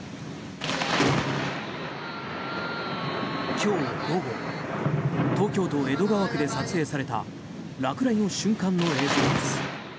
今日午後東京都江戸川区で撮影された落雷の瞬間の映像です。